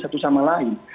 satu sama lain